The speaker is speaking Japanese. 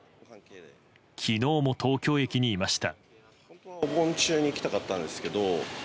昨日も東京駅にいました。